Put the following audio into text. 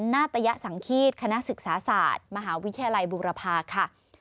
นาตยสังฆีตคณะศึกษาศาสตร์มหาวิทยาลัยบุรพาค่ะ